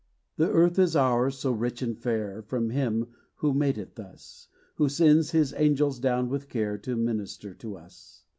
This earth is ours, so rich and fair From him, who made it thus Who sends his angels down with care To minister to us.